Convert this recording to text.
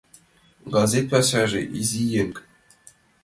Газет пашазе — изи еҥ.